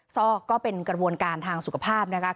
ซอกก็เป็นกระบวนการทางสุขภาพนะคะ